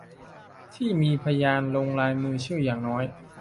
ที่มีพยานลงลายมือชื่ออย่างน้อย